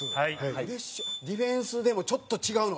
蛍原：ディフェンスでもちょっと違うの？